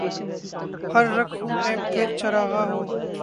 ہر رگ خوں میں پھر چراغاں ہو